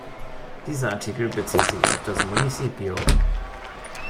Dieser Artikel bezieht sich auf das Municipio.